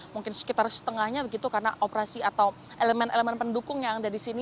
mungkin sekitar setengahnya begitu karena operasi atau elemen elemen pendukung yang ada di sini